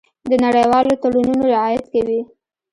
د نړیوالو تړونونو رعایت کوي.